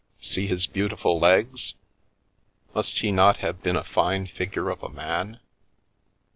See his beautiful legs ! Must he not have been a fine figure of a man